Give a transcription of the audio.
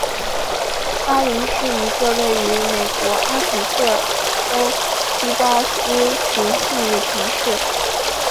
巴林是一个位于美国阿肯色州锡巴斯琴县的城市。